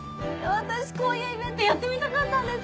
私こういうイベントやってみたかったんです！